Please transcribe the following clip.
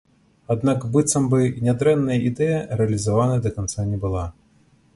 Аднак быццам бы нядрэнная ідэя рэалізаваная да канца не была.